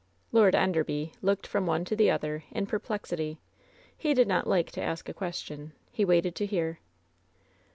Lord Enderby looked from one to the other in perplex ity. He did not like to ask a question — he waited to hear.